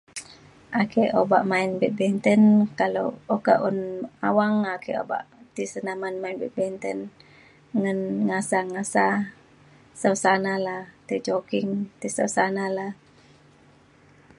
Ake obak main badminton kalau okak un awang ake obak tisen aman main badminton ngan ngasa ngasa suasana le tei jogging ti suasana le